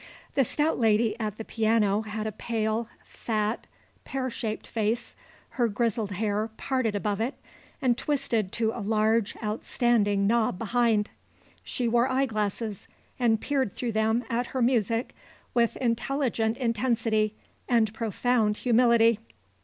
The stout lady at the piano had a pale, fat, pear shaped face, her grizzled hair parted above it and twisted to a large outstanding knob behind. She wore eyeglasses and peered through them at her music with intelligent intensity and profound humility.